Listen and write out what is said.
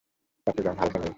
পাপড়ির রঙ হালকা নীল।